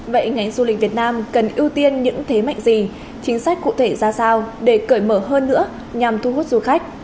vậy ngành du lịch việt nam cần ưu tiên những thế mạnh gì chính sách cụ thể ra sao để cởi mở hơn nữa nhằm thu hút du khách